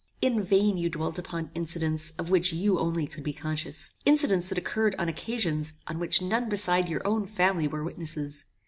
"In vain you dwelt upon incidents of which you only could be conscious; incidents that occurred on occasions on which none beside your own family were witnesses.